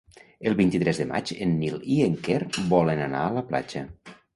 El vint-i-tres de maig en Nil i en Quer volen anar a la platja.